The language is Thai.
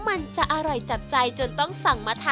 มีวันหยุดเอ่ออาทิตย์ที่สองของเดือนค่ะ